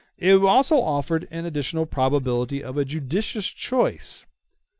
It also offered an additional probability of a judicious choice.